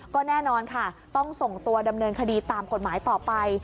ก็แน่นอนค่ะต้องส่งตัวดำเนินคดีตามกฎหมายต่อไป